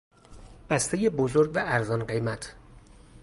بستهی بزرگ و ارزانقیمت